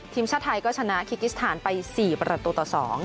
ทีมชาติไทยก็ชนะคิกิสถานไป๔ประตูต่อ๒